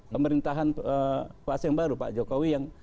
pemerintahan kuasa yang baru pak jokowi yang